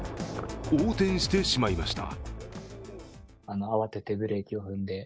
横転してしまいました。